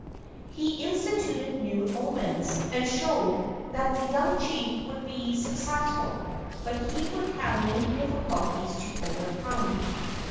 He instituted new omens, and showed that the young chief would be suc¬ cessful, but he would have many difficulties to overcome.